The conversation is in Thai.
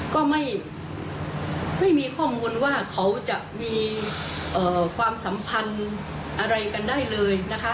ก็ไม่มีข้อมูลว่าเขาจะมีความสัมพันธ์อะไรกันได้เลยนะคะ